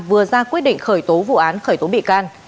vừa ra quyết định khởi tố vụ án khởi tố bị can